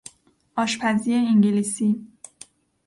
آشپزی انگلیسی